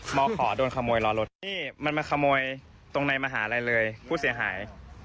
ขอโดนขโมยล้อรถนี่มันมาขโมยตรงในมหาลัยเลยผู้เสียหาย